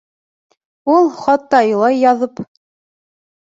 Ул, хатта илай яҙып: